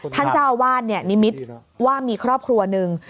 ท่านเจ้าว่านเนี่ยนิมิติว่ามีครอบครัวหนึ่ง